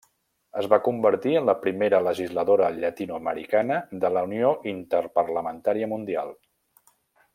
Es va convertir en la primera legisladora llatinoamericana de la Unió Interparlamentària Mundial.